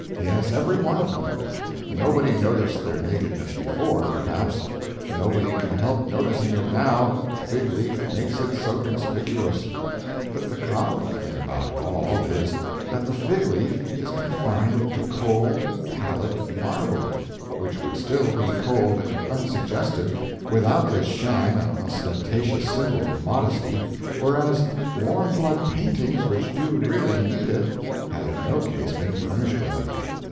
Yes, every one of them. Nobody noticed their nakedness before, perhaps; nobody can help noticing it now, the fig leaf makes it so conspicuous. But the comical thing about it all, is, that the fig leaf is confined to cold and pallid marble, which would be still cold and unsuggestive without this sham and ostentatious symbol of modesty, whereas warm blood paintings which do really need it have in no case been furnished with it.